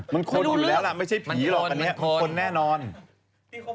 มันคนอยู่แล้วล่ะไม่ใช่ผีหรอก